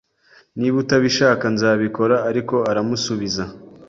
niba utabishaka nzabikora Ariko aramusubiza